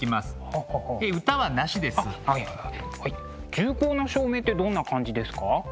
重厚な照明ってどんな感じですか？